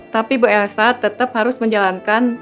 tapi bu elsa tetap harus menjalankan